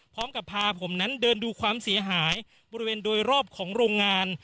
พาผมนั้นเดินดูความเสียหายบริเวณโดยรอบของโรงงาน